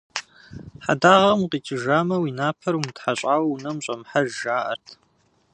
Хьэдагъэ укъикӏыжамэ, уи напэр умытхьэщӏауэ унэм ущӏэмыхьэж жаӏэрт.